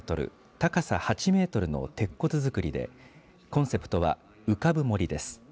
高さ８メートルの鉄骨造りでコンセプトは浮かぶ森です。